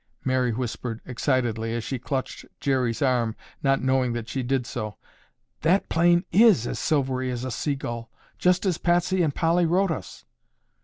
Mary whispered excitedly as she clutched Jerry's arm not knowing that she did so. "That plane is as silvery as a seagull, just as Patsy and Polly wrote us."